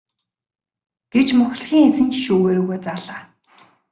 гэж мухлагийн эзэн шүүгээ рүүгээ заалаа.